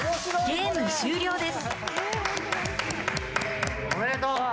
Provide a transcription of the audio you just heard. ゲーム終了です。